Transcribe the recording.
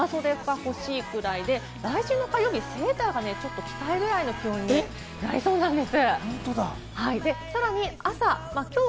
ただ明日以降は長袖が欲しいくらいで、来週の火曜日はセーターを着たいぐらいの気温になりそうなんです。